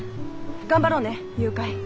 頑張ろうね誘拐。